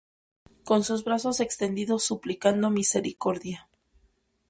Con sus brazos extendidos suplicando misericordia.